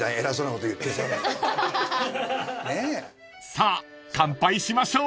［さあ乾杯しましょう］